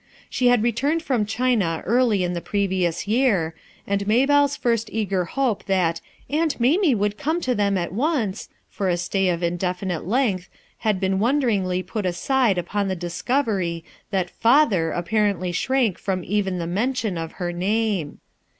She had returned from China early in the previous year, and Maybelle's first eager hope that "Aunt Mamie would come to them at once" for a stay of indefinite length had been wondcringly put aside upon the dis covery that "father" apparently shrank from even the mention of her name.